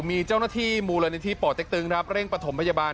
มีเจ้าหน้าที่มูลนิธิป่อเต็กตึงครับเร่งประถมพยาบาล